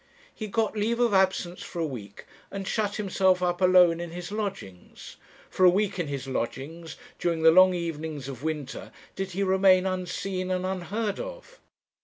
He got leave of absence for a week, and shut himself up alone in his lodgings; for a week in his lodgings, during the long evenings of winter, did he remain unseen and unheard of.